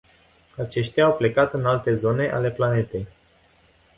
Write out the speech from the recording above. Aceștia au plecat în alte zone ale planetei.